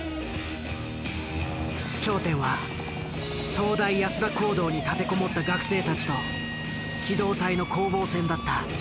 頂点は東大安田講堂に立てこもった学生たちと機動隊の攻防戦だった。